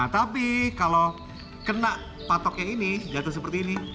tapi kalau kena patoknya ini jatuh seperti ini